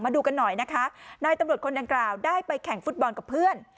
ดูกันหน่อยนะคะนายตำรวจคนดังกล่าวได้ไปแข่งฟุตบอลกับเพื่อน